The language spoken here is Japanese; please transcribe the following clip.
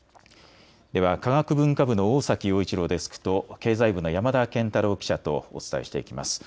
では科学文化部の大崎要一郎デスクと経済部の山田賢太郎記者とお伝えしていきます。